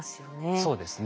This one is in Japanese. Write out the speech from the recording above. そうですね。